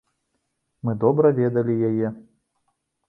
Мы добра ведалі яе.